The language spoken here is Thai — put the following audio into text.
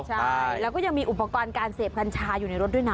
ใช่แล้วก็ยังมีอุปกรณ์การเสพกัญชาอยู่ในรถด้วยนะ